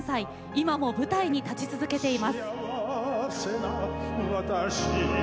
今も舞台に立ち続けています。